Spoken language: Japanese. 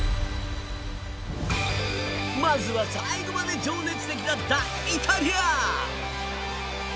まずは、最後まで情熱的だったイタリア。